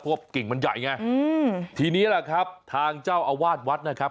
เพราะว่ากิ่งมันใหญ่ไงอืมทีนี้แหละครับทางเจ้าอาวาสวัดนะครับ